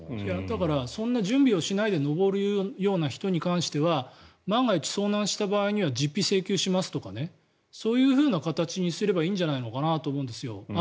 だからそんな準備をしないで登る人に関しては万が一遭難した場合には実費請求しますとかねそういうふうな形にすればいいんじゃないかなと思うんですよ。